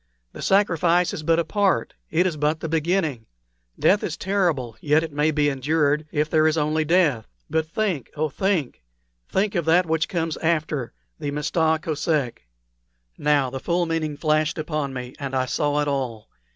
The sacrifice is but a part it is but the beginning. Death is terrible; yet it may be endured if there is only death. But oh! oh think! think of that which comes after the Mista Kosek!" Now the full meaning flashed upon me, and I saw it all.